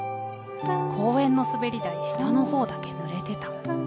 公園の滑り台下のほうだけ濡れてた。